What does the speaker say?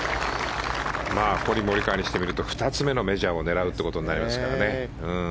コリン・モリカワにしてみると２つ目のメジャーを狙うということになりますからね。